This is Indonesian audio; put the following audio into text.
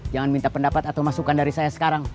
jangan minta pendapat atau masukan dari saya sekarang